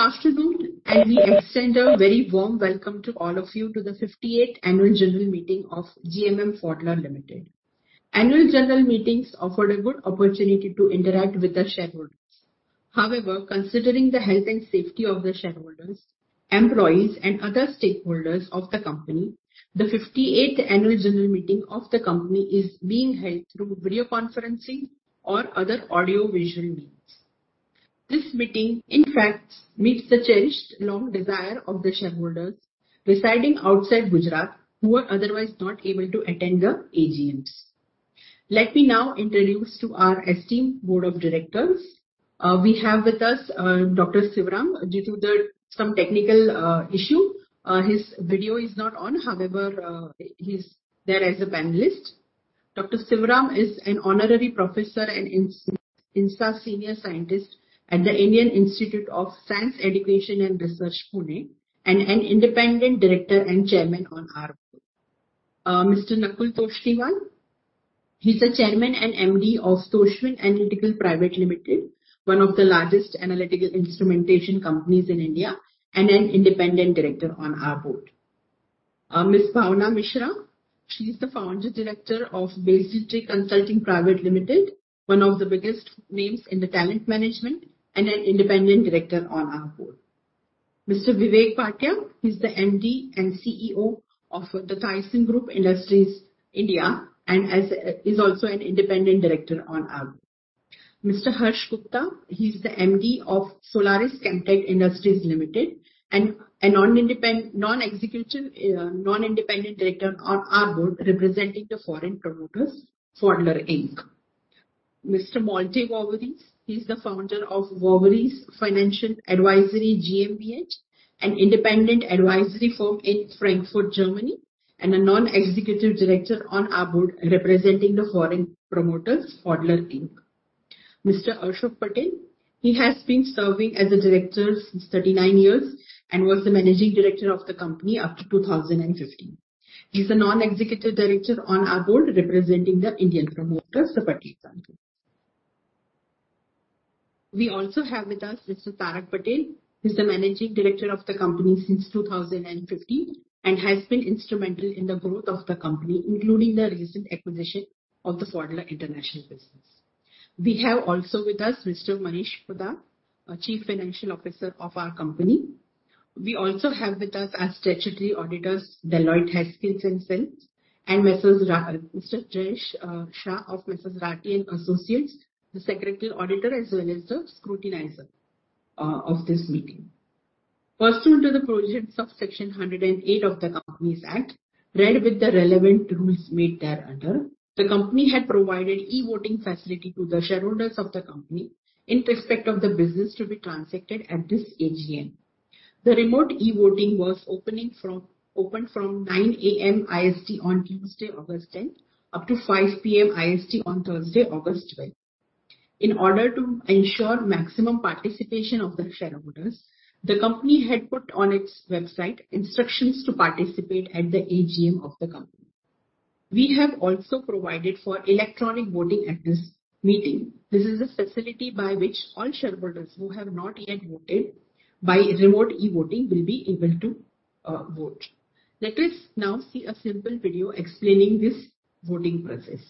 Good afternoon. We extend a very warm welcome to all of you to the 58th annual general meeting of GMM Pfaudler Limited. Annual general meetings offer a good opportunity to interact with the shareholders. However, considering the health and safety of the shareholders, employees, and other stakeholders of the company, the 58th annual general meeting of the company is being held through video conferencing or other audio-visual means. This meeting, in fact, meets the cherished long desire of the shareholders residing outside Gujarat who are otherwise not able to attend the AGMs. Let me now introduce to our esteemed board of directors. We have with us Dr. Sivaram. Due to some technical issue, his video is not on. However, he's there as a panelist. Dr. S. Sivaram is an honorary professor and INSA Senior Scientist at the Indian Institute of Science Education and Research, Pune, and an independent Director and Chairman on our board. Mr. Nakul Toshniwal. He's the Chairman and MD of Toshvin Analytical Private Limited, one of the largest analytical instrumentation companies in India, and an independent Director on our board. Ms. Bhawana Mishra. She's the Founder Director of BasilTree Consulting Private Limited, one of the biggest names in talent management, and an independent Director on our board. Mr. Vivek Bhatia. He's the MD and CEO of thyssenkrupp Industries India and is also an independent Director on our board. Mr. Harsh Gupta. He's the MD of Solaris ChemTech Industries Limited and a non-independent Director on our board representing the foreign promoters, Pfaudler Inc. Mr. Malte Woweries. He's the Founder of Woweries Financial Advisory GmbH, an independent advisory firm in Frankfurt, Germany, and a non-executive director on our board representing the foreign promoters, Pfaudler Inc. Mr. Ashok Patel. He has been serving as a director since 39 years and was the Managing Director of the company up to 2015. He's a non-executive director on our board representing the Indian promoters, the Patel family. We also have with us Mr. Tarak Patel, who's the Managing Director of the company since 2015 and has been instrumental in the growth of the company, including the recent acquisition of the Pfaudler International business. We have also with us Mr. Manish Poddar, Chief Financial Officer of our company. We also have with us our statutory auditors, Deloitte Haskins & Sells, and Mr. Jayesh Shah of M/s Rathi and Associates, the Secretarial Auditor, as well as the scrutinizer of this meeting. Pursuant to the provisions of Section 108 of the Companies Act, read with the relevant rules made thereunder, the company had provided e-voting facility to the shareholders of the company in respect of the business to be transacted at this AGM. The remote e-voting was opened from 9:00 A.M. IST on Tuesday, August 10th, up to 5:00 P.M. IST on Thursday, August 12th. In order to ensure maximum participation of the shareholders, the company had put on its website instructions to participate at the AGM of the company. We have also provided for electronic voting at this meeting. This is a facility by which all shareholders who have not yet voted by remote e-voting will be able to vote. Let us now see a simple video explaining this voting process.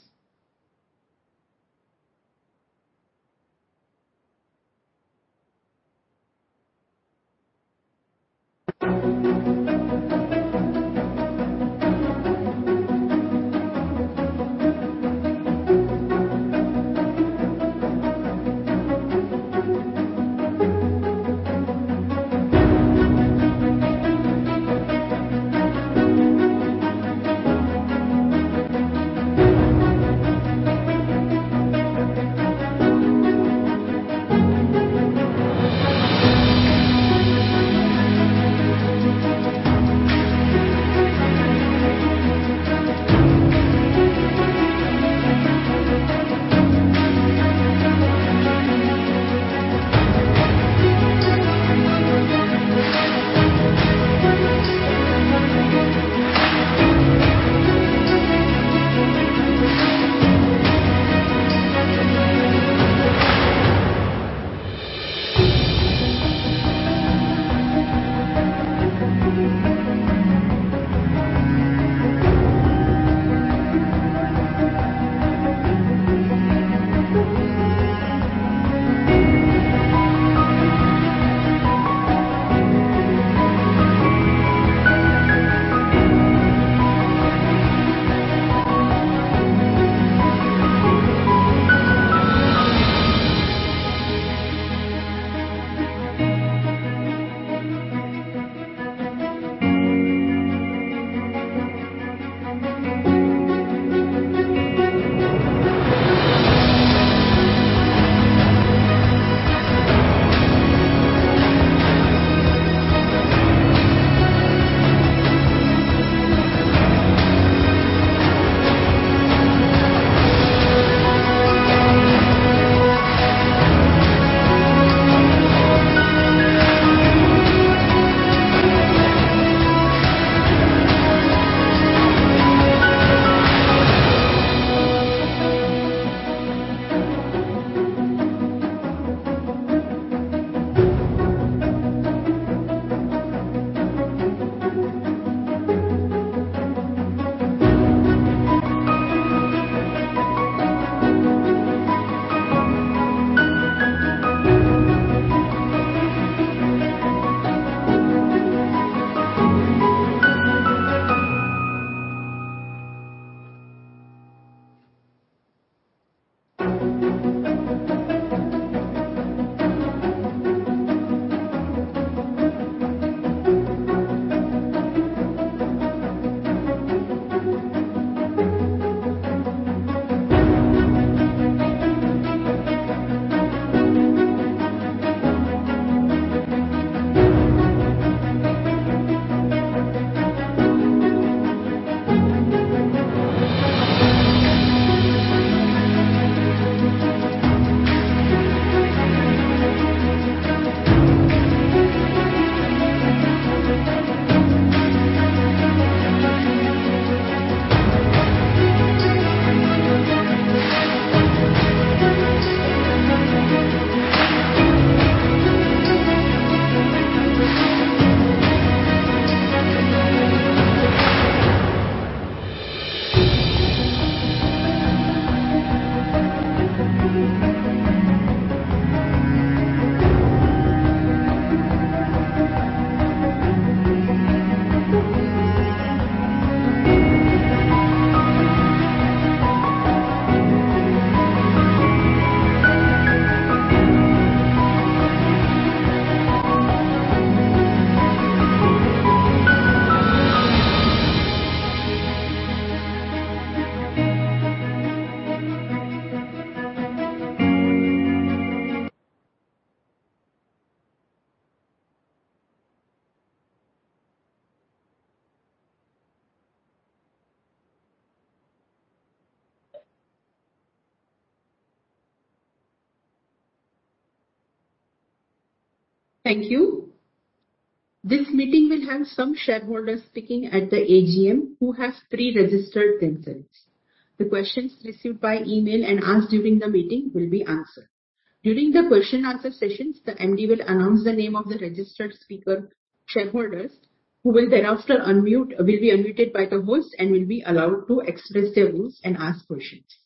Thank you. This meeting will have some shareholders speaking at the AGM who have pre-registered themselves. The questions received by email and asked during the meeting will be answered. During the question and answer sessions, the MD will announce the name of the registered speaker shareholders who will thereafter be unmuted by the host and will be allowed to express their views and ask questions.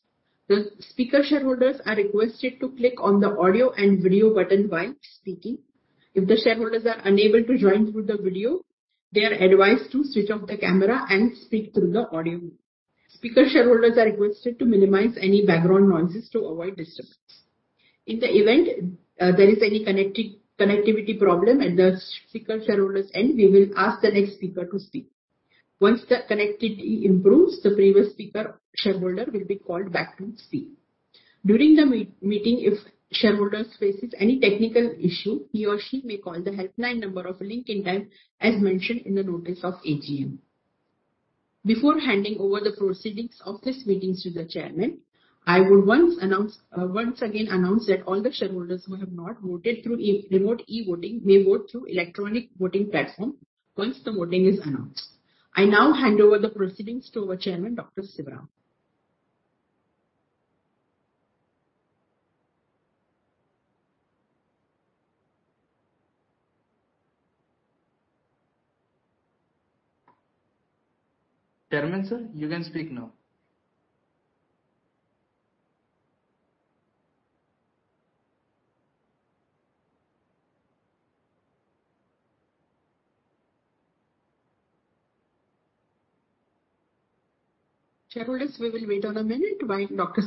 The speaker shareholders are requested to click on the audio and video button while speaking. If the shareholders are unable to join through the video, they are advised to switch off the camera and speak through the audio. Speaker shareholders are requested to minimize any background noises to avoid disturbance. In the event there is any connectivity problem at the speaker shareholder's end, we will ask the next speaker to speak. Once the connectivity improves, the previous speaker shareholder will be called back to speak. During the meeting, if shareholder faces any technical issue, he or she may call the helpline number of Link Intime as mentioned in the notice of AGM. Before handing over the proceedings of this meeting to the Chairman, I would once again announce that all the shareholders who have not voted through remote e-voting may vote through electronic voting platform once the voting is announced. I now hand over the proceedings to our Chairman, Dr. Sivaram. Sivaram, sir, you can speak now. Shareholders, we will wait on a minute while Dr.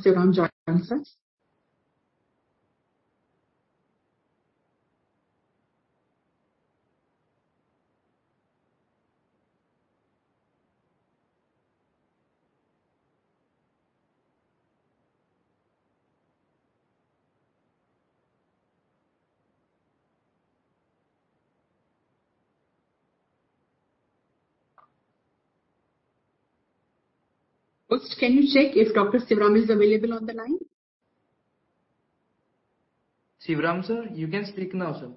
Sivaram joins us. Host, can you check if Dr. Sivaram is available on the line? Sivaram, sir, you can speak now, sir.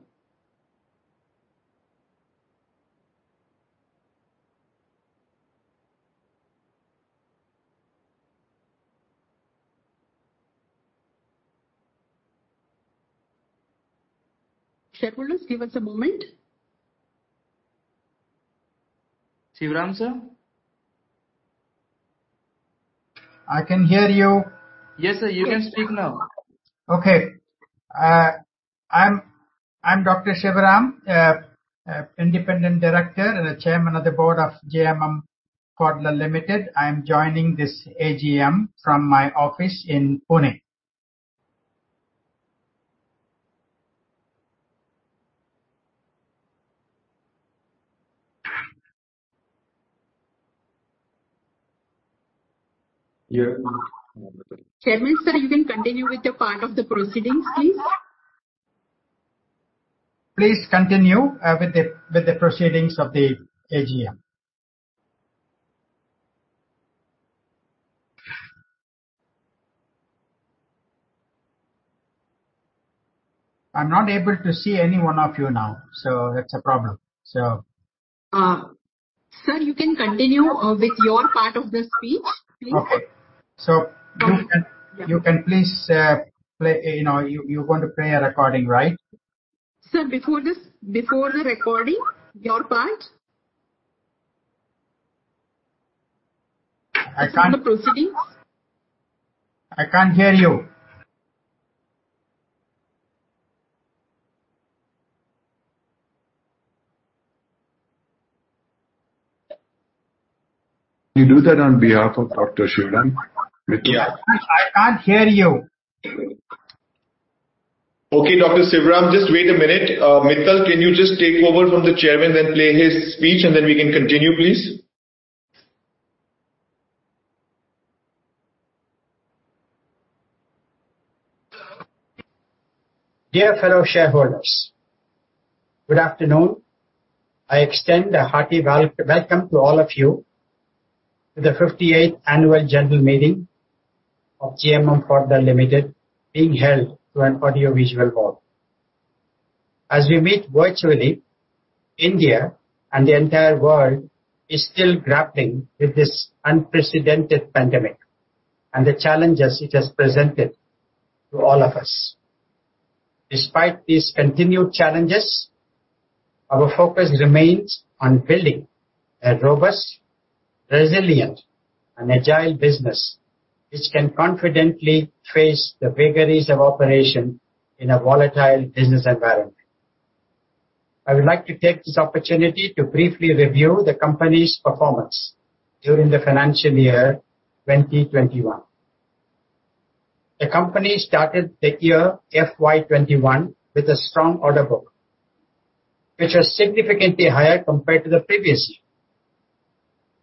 Shareholders, give us a moment. Sivaram, sir? I can hear you. Yes, sir. You can speak now. Okay. I'm Dr. S. Sivaram, Independent Director and Chairman of the board of GMM Pfaudler Limited. I am joining this AGM from my office in Pune. Chairman, sir, you can continue with the part of the proceedings, please. Please continue with the proceedings of the AGM. I'm not able to see any one of you now, so that's a problem. Sir, you can continue with your part of the speech, please. Okay. You are going to play a recording, right? Sir, before the recording, your part. I can't- From the proceedings. I can't hear you. You do that on behalf of Dr. Sivaram? Yeah. I can't hear you. Okay, Dr. S. Sivaram, just wait a minute. Mittal, can you just take over from the Chairman and play his speech, then we can continue, please? Dear fellow shareholders, good afternoon. I extend a hearty welcome to all of you to the 58th annual general meeting of GMM Pfaudler Limited being held through an audiovisual mode. As we meet virtually, India and the entire world is still grappling with this unprecedented pandemic and the challenges it has presented to all of us. Despite these continued challenges, our focus remains on building a robust, resilient, and agile business which can confidently face the vagaries of operation in a volatile business environment. I would like to take this opportunity to briefly review the company's performance during the financial year 2021. The company started the year FY 2021 with a strong order book, which was significantly higher compared to the previous year.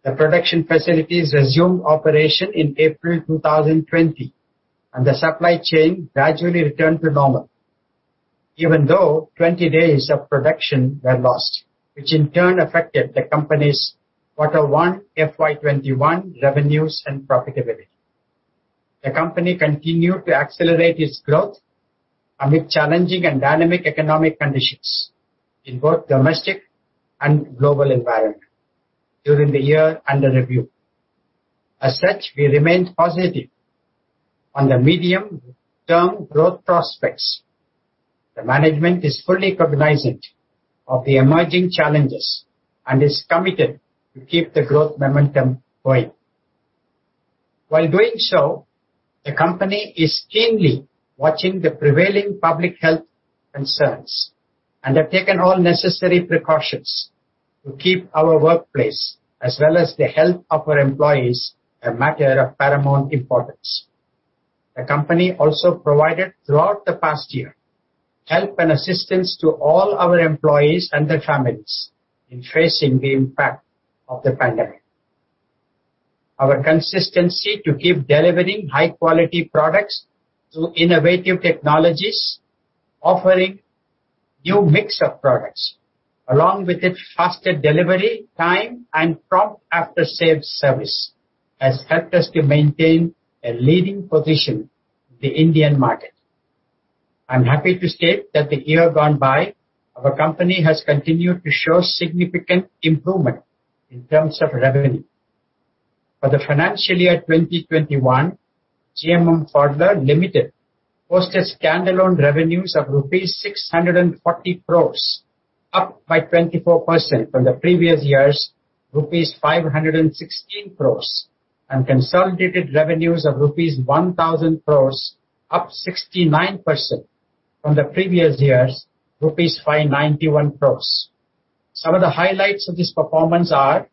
The production facilities resumed operation in April 2020, and the supply chain gradually returned to normal, even though 20 days of production were lost, which in turn affected the company's quarter one FY 2021 revenues and profitability. The company continued to accelerate its growth amid challenging and dynamic economic conditions in both domestic and global environment during the year under review. As such, we remained positive on the medium-term growth prospects. The management is fully cognizant of the emerging challenges and is committed to keep the growth momentum going. While doing so, the company is keenly watching the prevailing public health concerns and have taken all necessary precautions to keep our workplace as well as the health of our employees a matter of paramount importance. The company also provided, throughout the past year, help and assistance to all our employees and their families in facing the impact of the pandemic. Our consistency to keep delivering high-quality products through innovative technologies, offering new mix of products, along with its faster delivery time and prompt after-sales service, has helped us to maintain a leading position in the Indian market. I'm happy to state that the year gone by, our company has continued to show significant improvement in terms of revenue. For the financial year 2021, GMM Pfaudler Limited posted standalone revenues of rupees 640 crores, up by 24% from the previous year's rupees 516 crores, and consolidated revenues of rupees 1,000 crores, up 69% from the previous year's rupees 591 crores. Some of the highlights of this performance are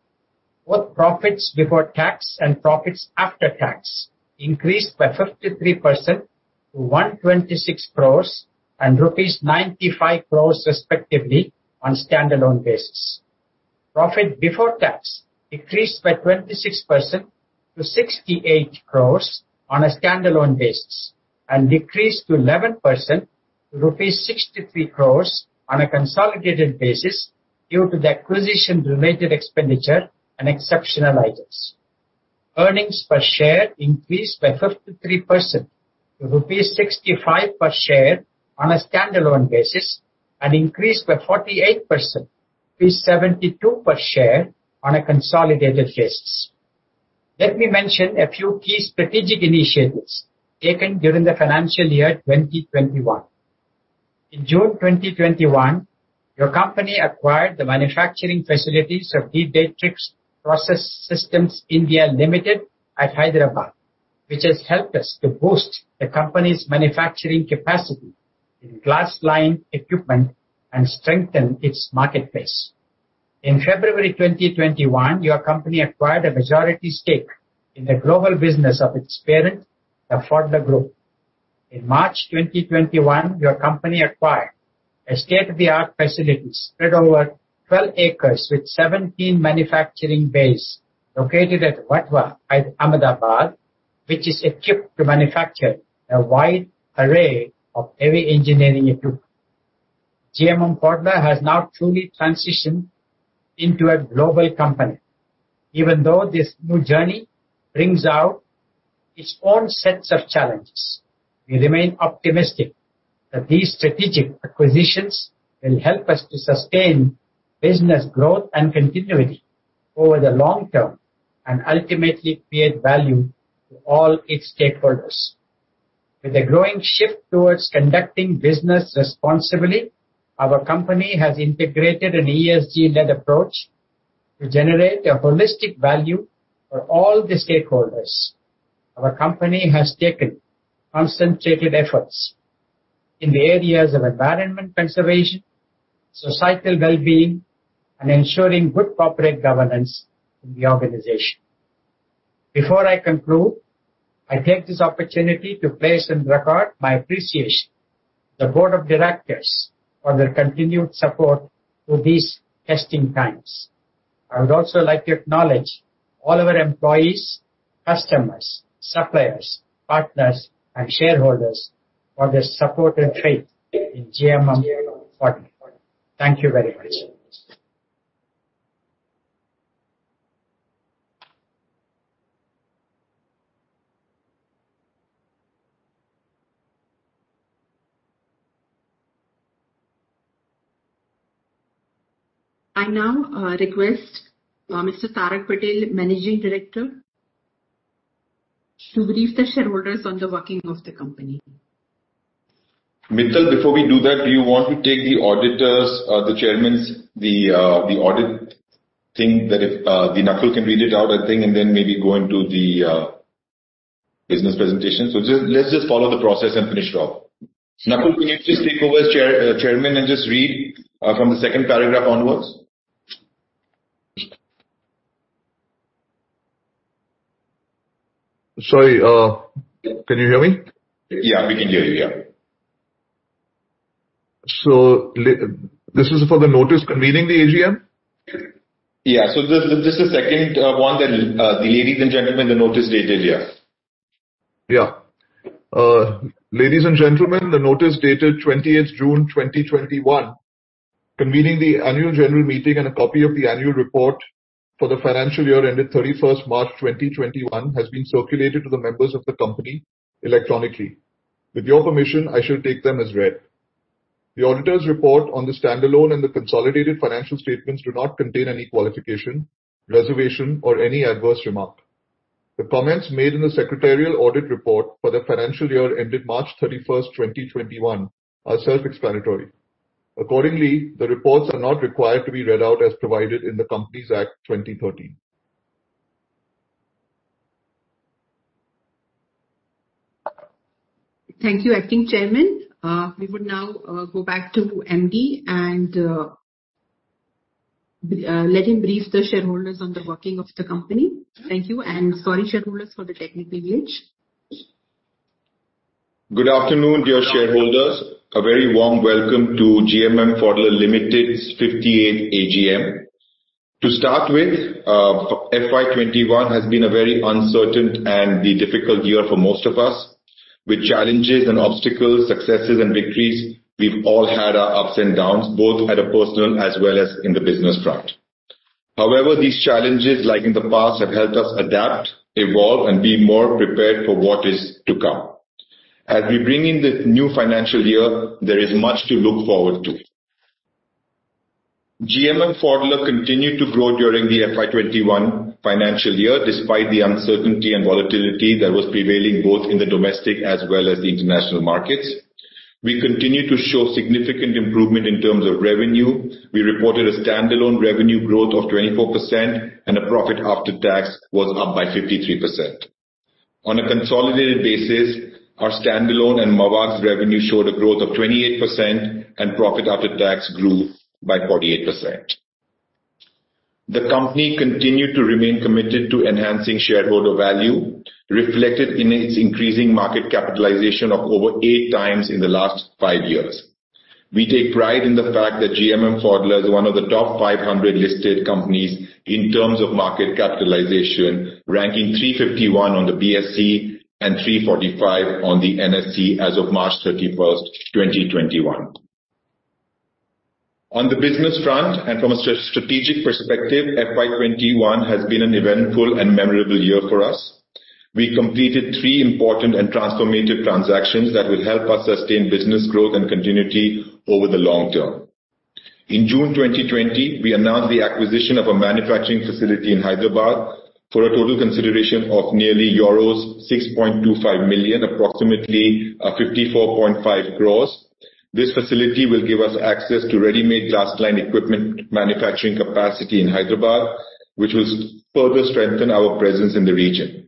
both profits before tax and profits after tax increased by 53% to 126 crores and rupees 95 crores respectively on standalone basis. Profit before tax decreased by 26% to 68 crores on a standalone basis and decreased to 11% to rupees 63 crores on a consolidated basis due to the acquisition-related expenditure and exceptional items. Earnings per share increased by 53% to rupees 65 per share on a standalone basis and increased by 48% to 72 per share on a consolidated basis. Let me mention a few key strategic initiatives taken during the financial year 2021. In June 2021, your company acquired the manufacturing facilities of De Dietrich Process Systems India Limited at Hyderabad, which has helped us to boost the company's manufacturing capacity in glass-lined equipment and strengthen its market base. In February 2021, your company acquired a majority stake in the global business of its parent, the Pfaudler Group. In March 2021, your company acquired a state-of-the-art facility spread over 12 acres with 17 manufacturing bays located at Vatva, Ahmedabad, which is equipped to manufacture a wide array of heavy engineering equipment. GMM Pfaudler has now truly transitioned into a global company. This new journey brings out its own sets of challenges, we remain optimistic that these strategic acquisitions will help us to sustain business growth and continuity over the long term and ultimately create value to all its stakeholders. With a growing shift towards conducting business responsibly, our company has integrated an ESG-led approach to generate a holistic value for all the stakeholders. Our company has taken concentrated efforts in the areas of environment conservation, societal wellbeing, and ensuring good corporate governance in the organization. Before I conclude, I take this opportunity to place on record my appreciation to the board of directors for their continued support through these testing times. I would also like to acknowledge all our employees, customers, suppliers, partners, and shareholders for their support and faith in GMM Pfaudler. Thank you very much. I now request Mr. Tarak Patel, Managing Director, to brief the shareholders on the working of the company. Mittal, before we do that, do you want to take the auditor's, the chairman's, the audit thing that if Nakul can read it out, I think, and then maybe go into the business presentation. Let's just follow the process and finish it off. Nakul, can you just take over as Chairman and just read from the second paragraph onwards? Sorry. Can you hear me? Yeah. We can hear you. Yeah. This is for the notice convening the AGM? Yeah. Just the second one that, "Ladies and gentlemen, the notice dated" Yeah. Yeah. Ladies and gentlemen, the notice dated 20th June 2021, convening the annual general meeting and a copy of the annual report for the financial year ended 31st March 2021 has been circulated to the members of the company electronically. With your permission, I shall take them as read. The auditors report on the standalone and the consolidated financial statements do not contain any qualification, reservation or any adverse remark. The comments made in the secretarial audit report for the financial year ended March 31st, 2021 are self-explanatory. Accordingly, the reports are not required to be read out as provided in the Companies Act 2013. Thank you, acting chairman. We would now go back to MD and let him brief the shareholders on the working of the company. Thank you. Sorry, shareholders for the technical glitch. Good afternoon, dear shareholders. A very warm welcome to GMM Pfaudler Limited's 58th AGM. To start with, FY 2021 has been a very uncertain and a difficult year for most of us. With challenges and obstacles, successes and victories, we've all had our ups and downs, both at a personal as well as in the business front. However, these challenges, like in the past, have helped us adapt, evolve, and be more prepared for what is to come. As we bring in the new financial year, there is much to look forward to. GMM Pfaudler continued to grow during the FY 2021 financial year, despite the uncertainty and volatility that was prevailing both in the domestic as well as the international markets. We continue to show significant improvement in terms of revenue. We reported a standalone revenue growth of 24%, and a profit after tax was up by 53%. On a consolidated basis, our standalone and Mavag's revenue showed a growth of 28%, and profit after tax grew by 48%. The company continued to remain committed to enhancing shareholder value, reflected in its increasing market capitalization of over 8x in the last five years. We take pride in the fact that GMM Pfaudler is one of the top 500 listed companies in terms of market capitalization, ranking 351 on the BSE and 345 on the NSE as of March 31st, 2021. On the business front, and from a strategic perspective, FY 2021 has been an eventful and memorable year for us. We completed three important and transformative transactions that will help us sustain business growth and continuity over the long term. In June 2020, we announced the acquisition of a manufacturing facility in Hyderabad for a total consideration of nearly euros 6.25 million, approximately 54.5 crores. This facility will give us access to ready-made glass-lined equipment manufacturing capacity in Hyderabad, which will further strengthen our presence in the region.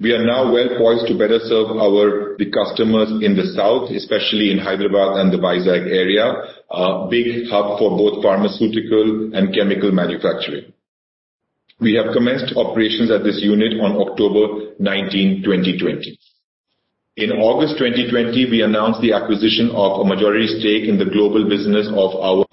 We are now well-poised to better serve our customers in the south, especially in Hyderabad and the Vizag area, a big hub for both pharmaceutical and chemical manufacturing. We have commenced operations at this unit on October 19, 2020. In August 2020, we announced the acquisition of a majority stake in the global business of our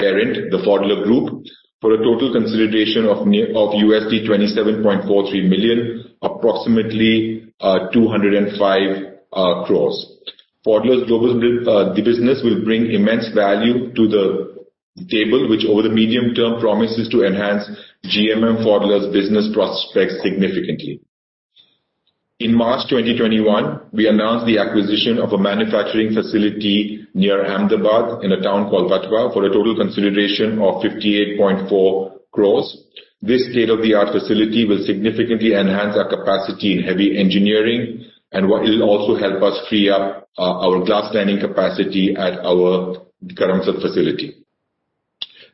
parent, the Pfaudler Group, for a total consideration of $27.43 million, approximately 205 crores. Pfaudler's global business will bring immense value to The table, which over the medium term promises to enhance GMM Pfaudler's business prospects significantly. In March 2021, we announced the acquisition of a manufacturing facility near Ahmedabad in a town called Vatva for a total consideration of 58.4 crores. This state-of-the-art facility will significantly enhance our capacity in heavy engineering and it will also help us free up our glass lining capacity at our Karamsad facility.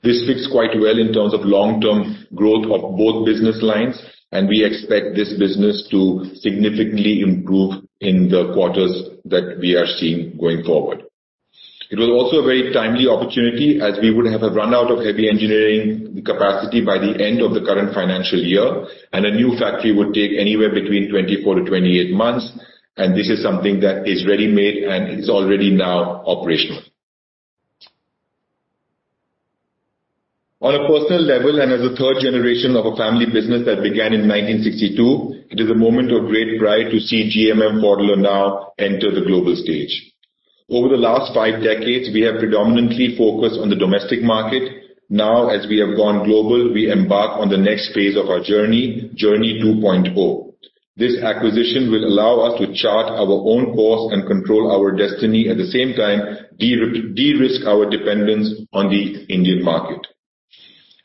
This fits quite well in terms of long-term growth of both business lines, and we expect this business to significantly improve in the quarters that we are seeing going forward. It was also a very timely opportunity as we would have run out of heavy engineering capacity by the end of the current financial year, and a new factory would take anywhere between 24-28 months, and this is something that is ready-made and it's already now operational. On a personal level, and as a third generation of a family business that began in 1962, it is a moment of great pride to see GMM Pfaudler now enter the global stage. Over the last five decades, we have predominantly focused on the domestic market. Now, as we have gone global, we embark on the next phase of our journey, JOURNEY 2.0. This acquisition will allow us to chart our own course and control our destiny, at the same time, de-risk our dependence on the Indian market.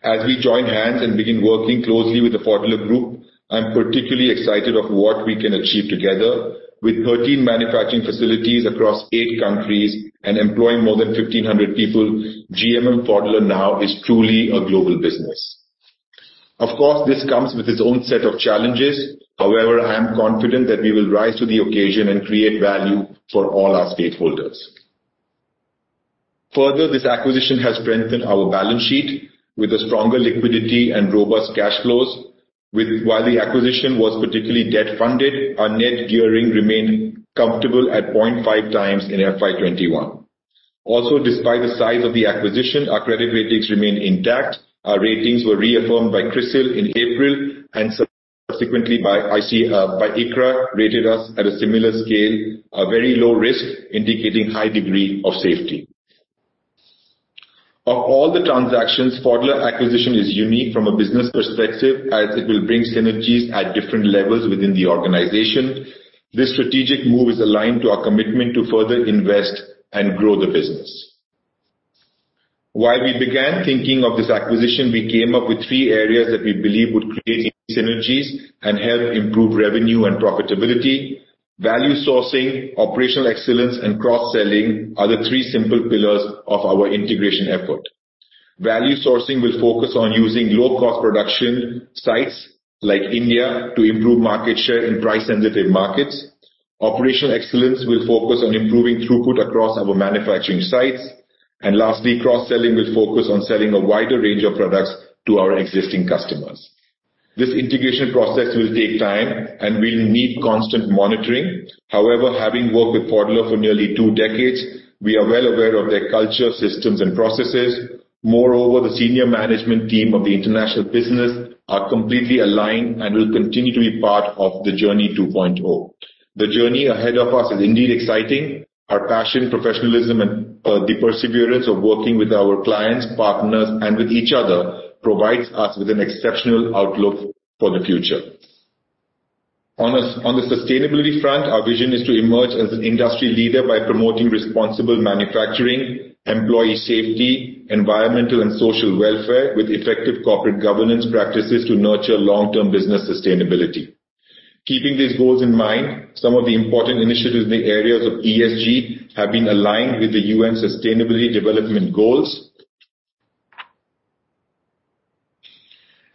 As we join hands and begin working closely with the Pfaudler Group, I'm particularly excited of what we can achieve together. With 13 manufacturing facilities across eight countries and employing more than 1,500 people, GMM Pfaudler now is truly a global business. Of course, this comes with its own set of challenges. However, I am confident that we will rise to the occasion and create value for all our stakeholders. Further, this acquisition has strengthened our balance sheet with a stronger liquidity and robust cash flows. While the acquisition was particularly debt-funded, our net gearing remained comfortable at 0.5x in FY 2021. Despite the size of the acquisition, our credit ratings remain intact. Our ratings were reaffirmed by CRISIL in April and subsequently by ICRA rated us at a similar scale, a very low risk indicating high degree of safety. Of all the transactions, Pfaudler acquisition is unique from a business perspective as it will bring synergies at different levels within the organization. This strategic move is aligned to our commitment to further invest and grow the business. While we began thinking of this acquisition, we came up with three areas that we believe would create synergies and help improve revenue and profitability. Value sourcing, operational excellence, and cross-selling are the three simple pillars of our integration effort. Value sourcing will focus on using low-cost production sites like India to improve market share in price-sensitive markets. Operational excellence will focus on improving throughput across our manufacturing sites. Lastly, cross-selling will focus on selling a wider range of products to our existing customers. This integration process will take time and will need constant monitoring. However, having worked with Pfaudler for nearly two decades, we are well aware of their culture, systems, and processes. Moreover, the senior management team of the international business are completely aligned and will continue to be part of the JOURNEY 2.0. The journey ahead of us is indeed exciting. Our passion, professionalism, and the perseverance of working with our clients, partners, and with each other provides us with an exceptional outlook for the future. On the sustainability front, our vision is to emerge as an industry leader by promoting responsible manufacturing, employee safety, environmental and social welfare with effective corporate governance practices to nurture long-term business sustainability. Keeping these goals in mind, some of the important initiatives in the areas of ESG have been aligned with the UN Sustainable Development Goals.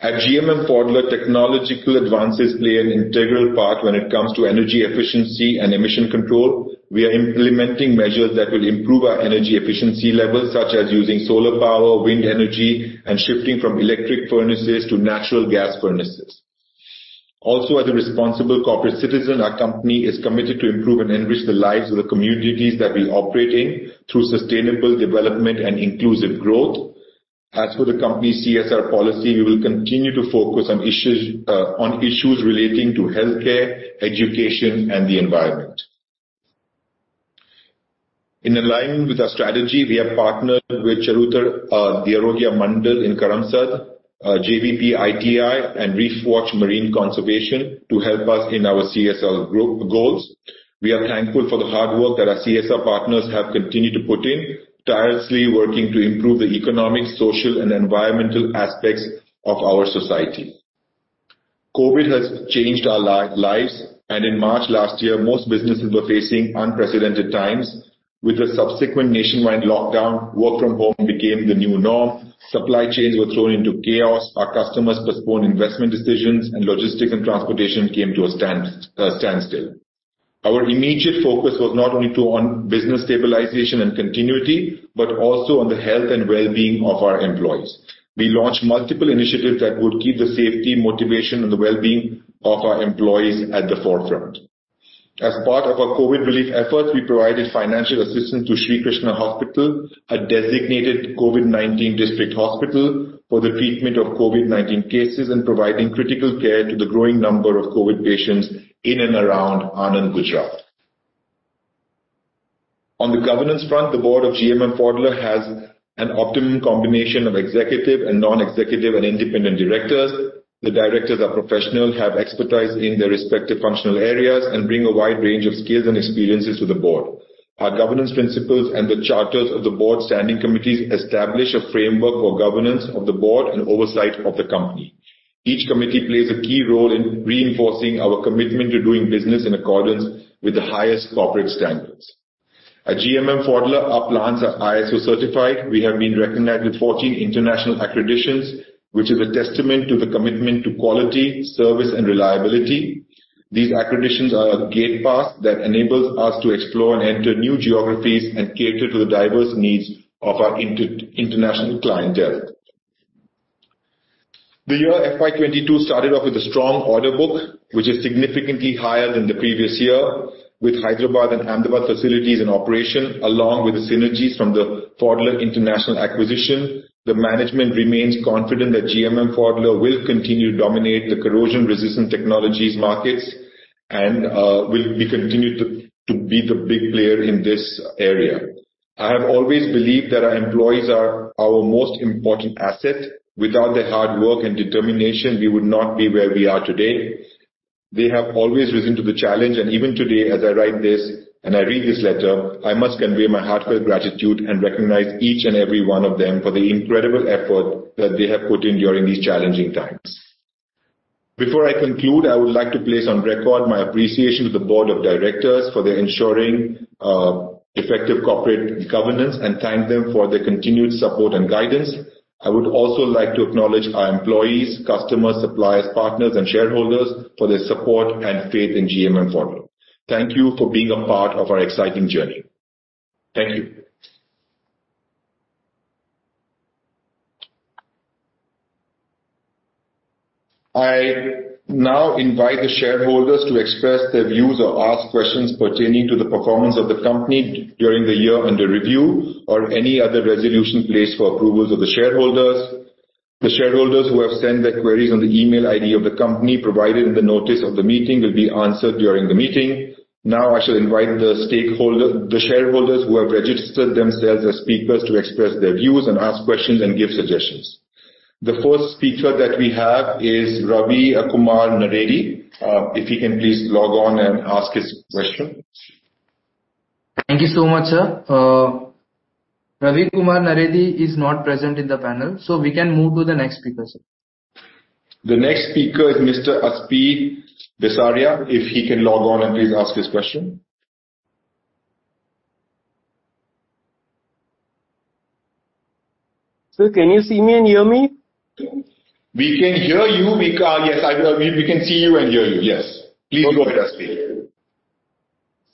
At GMM Pfaudler, technological advances play an integral part when it comes to energy efficiency and emission control. We are implementing measures that will improve our energy efficiency levels, such as using solar power, wind energy, and shifting from electric furnaces to natural gas furnaces. Also, as a responsible corporate citizen, our company is committed to improve and enrich the lives of the communities that we operate in through sustainable development and inclusive growth. As for the company CSR policy, we will continue to focus on issues relating to healthcare, education, and the environment. In alignment with our strategy, we have partnered with Charutar Arogya Mandal in Karamsad, JVP ITI, and ReefWatch Marine Conservation to help us in our CSR goals. We are thankful for the hard work that our CSR partners have continued to put in, tirelessly working to improve the economic, social, and environmental aspects of our society. COVID has changed our lives, and in March last year, most businesses were facing unprecedented times. With the subsequent nationwide lockdown, work from home became the new norm. Supply chains were thrown into chaos. Our customers postponed investment decisions, and logistics and transportation came to a standstill. Our immediate focus was not only on business stabilization and continuity, but also on the health and well-being of our employees. We launched multiple initiatives that would keep the safety, motivation, and the well-being of our employees at the forefront. As part of our COVID relief efforts, we provided financial assistance to Shree Krishna Hospital, a designated COVID-19 district hospital, for the treatment of COVID-19 cases and providing critical care to the growing number of COVID patients in and around Anand, Gujarat. On the governance front, the board of GMM Pfaudler has an optimum combination of executive and non-executive and independent directors. The directors are professional, have expertise in their respective functional areas, and bring a wide range of skills and experiences to the board. Our governance principles and the charters of the board standing committees establish a framework for governance of the board and oversight of the company. Each committee plays a key role in reinforcing our commitment to doing business in accordance with the highest corporate standards. At GMM Pfaudler, our plants are ISO certified. We have been recognized with 14 international accreditations, which is a testament to the commitment to quality, service, and reliability. These accreditations are a gate pass that enables us to explore and enter new geographies and cater to the diverse needs of our international clientele. The year FY 2022 started off with a strong order book, which is significantly higher than the previous year. With Hyderabad and Ahmedabad facilities in operation, along with the synergies from the Pfaudler International acquisition, the management remains confident that GMM Pfaudler will continue to dominate the corrosion resistance technologies markets and will continue to be the big player in this area. I have always believed that our employees are our most important asset. Without their hard work and determination, we would not be where we are today. They have always risen to the challenge, and even today, as I write this and I read this letter, I must convey my heartfelt gratitude and recognize each and every one of them for the incredible effort that they have put in during these challenging times. Before I conclude, I would like to place on record my appreciation to the board of directors for their ensuring effective corporate governance, and thank them for their continued support and guidance. I would also like to acknowledge our employees, customers, suppliers, partners, and shareholders for their support and faith in GMM Pfaudler. Thank you for being a part of our exciting journey. Thank you. I now invite the shareholders to express their views or ask questions pertaining to the performance of the company during the year under review or any other resolution placed for approvals of the shareholders. The shareholders who have sent their queries on the email ID of the company provided in the notice of the meeting will be answered during the meeting. Now I shall invite the shareholders who have registered themselves as speakers to express their views and ask questions and give suggestions. The first speaker that we have is Ravi Kumar Naredi. If he can please log on and ask his question. Thank you so much, sir. Ravi Kumar Naredi is not present in the panel. We can move to the next speaker, sir. The next speaker is Mr. Aspi Bhesania. If he can log on and please ask his question. Sir, can you see me and hear me? We can hear you. Yes, we can see you and hear you. Yes. Please go ahead, Aspi.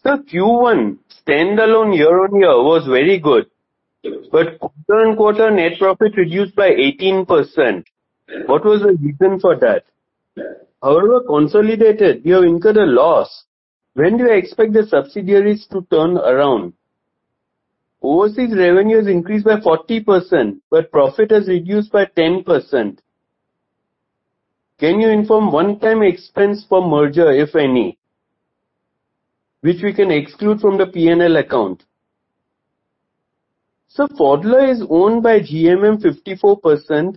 Sir, Q1 standalone year-over-year was very good. Quarter-over-quarter net profit reduced by 18%. What was the reason for that? Consolidated, you have incurred a loss. When do you expect the subsidiaries to turn around? Overseas revenues increased by 40%. Profit has reduced by 10%. Can you inform one-time expense for merger, if any, which we can exclude from the P&L account? Sir, Pfaudler is owned by GMM 54%,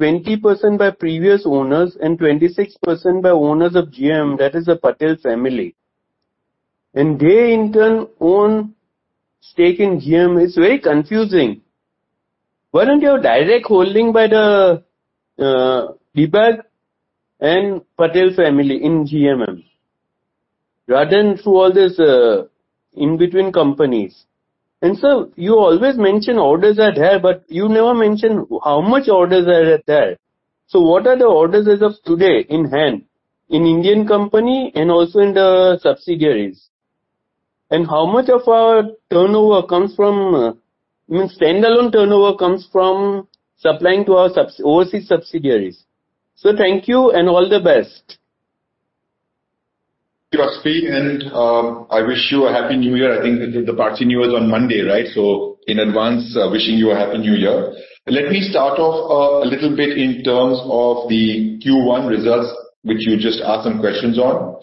20% by previous owners and 26% by owners of GMM, that is the Patel family. They in turn own stake in GMM. It is very confusing. Why don't you have direct holding by DBAG and the Patel family in GMM rather than through all this in-between companies? Sir, you always mention orders at hand. You never mention how much orders are at hand. What are the orders as of today in hand in Indian company and also in the subsidiaries? How much of our standalone turnover comes from supplying to our overseas subsidiaries? Sir, thank you and all the best. Aspi, I wish you a happy New Year. I think the Parsi New Year is on Monday, right? In advance, wishing you a happy New Year. Let me start off a little bit in terms of the Q1 results, which you just asked some questions on.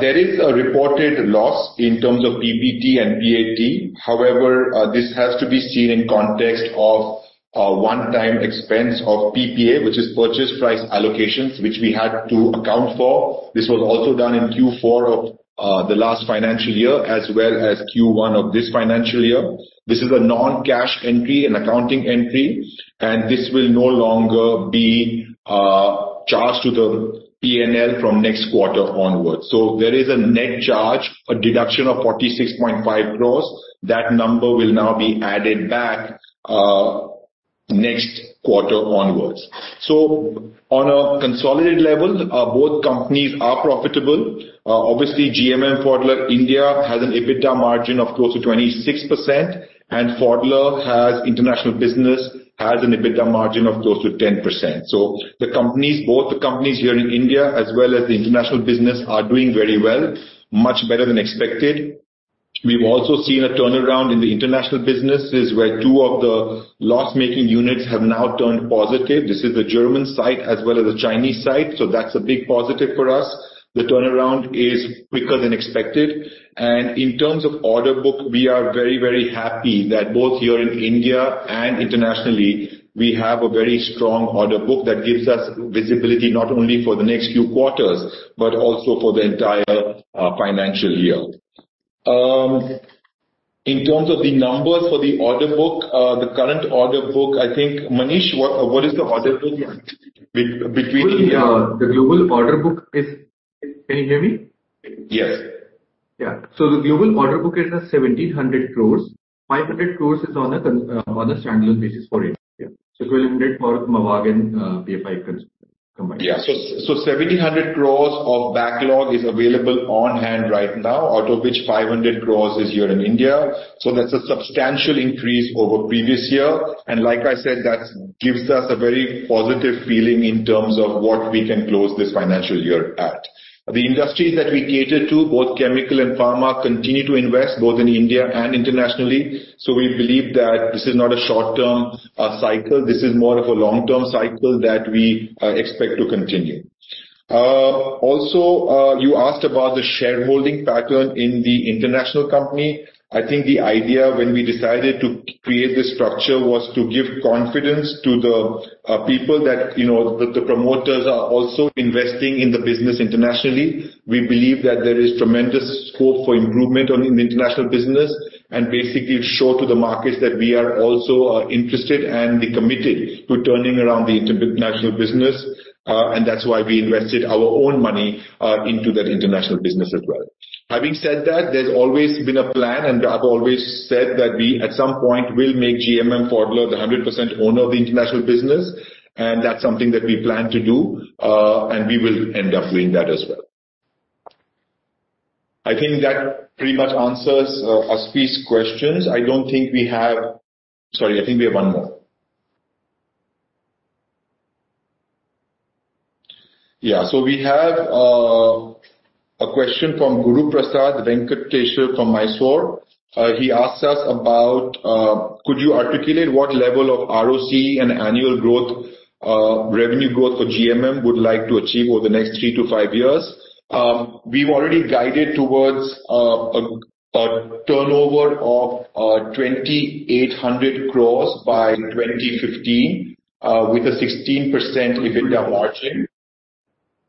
There is a reported loss in terms of PBT and PAT. However, this has to be seen in context of a one-time expense of PPA, which is purchase price allocations, which we had to account for. This was also done in Q4 of the last financial year as well as Q1 of this financial year. This is a non-cash entry, an accounting entry, and this will no longer be charged to the P&L from next quarter onwards. There is a net charge, a deduction of 46.5 crores. That number will now be added back next quarter onwards. On a consolidated level, both companies are profitable. Obviously, GMM Pfaudler India has an EBITDA margin of close to 26%, and Pfaudler International business has an EBITDA margin of close to 10%. Both the companies here in India as well as the International business are doing very well, much better than expected. We've also seen a turnaround in the International businesses, where two of the loss-making units have now turned positive. This is the German site as well as the Chinese site. That's a big positive for us. The turnaround is quicker than expected. In terms of order book, we are very happy that both here in India and internationally, we have a very strong order book that gives us visibility not only for the next few quarters, but also for the entire financial year. In terms of the numbers for the order book, the current order book, I think, Manish, what is the order book between-? The global order book is. Can you hear me? Yes. Yeah. The global order book is at 1,700 crores. 500 crores is on a standalone basis for India. 1,200 crores from Mavag PFI combined. Yeah. 1,700 crores of backlog is available on-hand right now, out of which 500 crores is here in India. That's a substantial increase over previous year. Like I said, that gives us a very positive feeling in terms of what we can close this financial year at. The industries that we cater to, both chemical and pharma, continue to invest both in India and internationally. We believe that this is not a short-term cycle. This is more of a long-term cycle that we expect to continue. Also, you asked about the shareholding pattern in the international company. I think the idea when we decided to create this structure was to give confidence to the people that the promoters are also investing in the business internationally. We believe that there is tremendous scope for improvement in the international business, and basically show to the markets that we are also interested and committed to turning around the international business. That's why we invested our own money into that international business as well. Having said that, there's always been a plan, and I've always said that we, at some point, will make GMM Pfaudler the 100% owner of the international business, and that's something that we plan to do, and we will end up doing that as well. I think that pretty much answers Aspi's questions. I don't think we have. Sorry, I think we have one more. Yeah. We have a question from Guruprasad Venkatesh from Mysore. He asks us about, could you articulate what level of ROCE and annual revenue growth for GMM would like to achieve over the next 3-5 years? We've already guided towards a turnover of 2,800 crores by 2015, with a 16% EBITDA margin.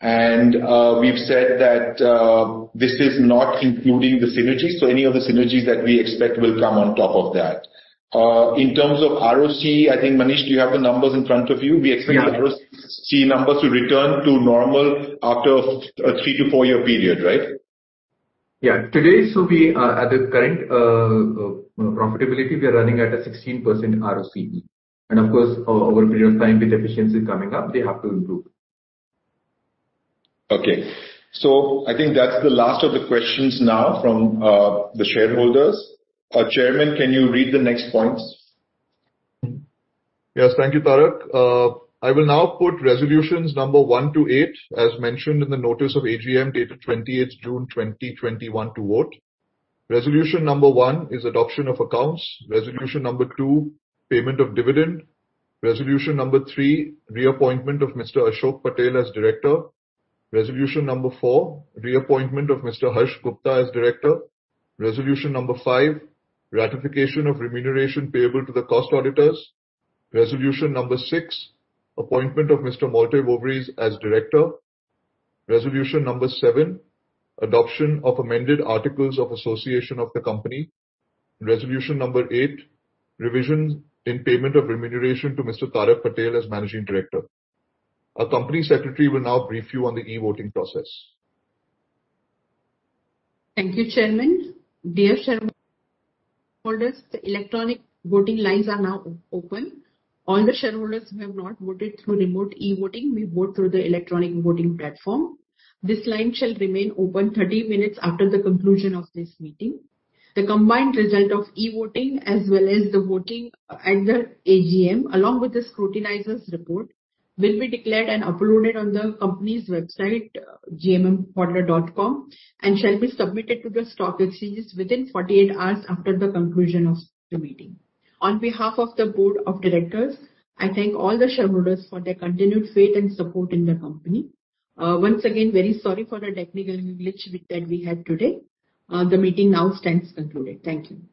We've said that this is not including the synergies. Any of the synergies that we expect will come on top of that. In terms of ROCE, I think, Manish, do you have the numbers in front of you? Yeah. We expect the ROCE numbers to return to normal after a 3-4-year period, right? Yeah. Today, at the current profitability, we are running at a 16% ROCE. Of course, over a period of time, with efficiencies coming up, they have to improve. Okay. I think that's the last of the questions now from the shareholders. Chairman, can you read the next points? Yes. Thank you, Tarak. I will now put resolutions number one to eight, as mentioned in the notice of AGM dated 28th June 2021 to vote. Resolution number one is adoption of accounts. Resolution number two, payment of dividend. Resolution number three, reappointment of Mr. Ashok Patel as director. Resolution number four, reappointment of Mr. Harsh Gupta as director. Resolution number five, ratification of remuneration payable to the cost auditors. Resolution number six, appointment of Mr. Malte Woweries as director. Resolution number seven, adoption of amended articles of association of the company. Resolution number eight, revisions in payment of remuneration to Mr. Tarak Patel as managing director. Our company secretary will now brief you on the e-voting process. Thank you, Chairman. Dear shareholders, the electronic voting lines are now open. All the shareholders who have not voted through remote e-voting may vote through the electronic voting platform. This line shall remain open 30 minutes after the conclusion of this meeting. The combined result of e-voting as well as the voting at the AGM, along with the scrutinizers' report, will be declared and uploaded on the company's website, gmmpfaudler.com, and shall be submitted to the stock exchanges within 48 hours after the conclusion of the meeting. On behalf of the board of directors, I thank all the shareholders for their continued faith and support in the company. Once again, very sorry for the technical glitch that we had today. The meeting now stands concluded. Thank you